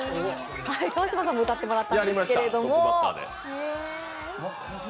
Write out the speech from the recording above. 川島さんにも歌ってもらったんですけど。